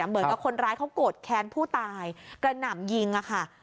เหมือนกับคนร้ายเขาโกรธแค้นผู้ตายกระหน่ำยิงอะค่ะ